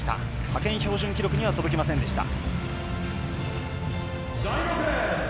派遣標準記録には届きませんでした。